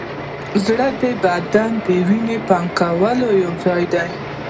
زړه د بدن د وینې پمپ کولو یوځای دی.